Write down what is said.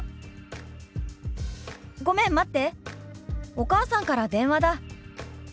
お母さんから電話だ」。